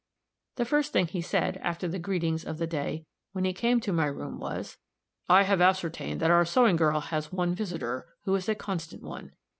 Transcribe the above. The first thing he said, after the greetings of the day, when he came to my room, was, "I have ascertained that our sewing girl has one visitor, who is a constant one.